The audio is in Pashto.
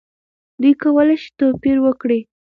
دوی کولی شي توپیر وکړي.